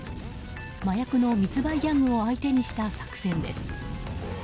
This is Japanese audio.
麻薬の密売ギャングを相手にした作戦です。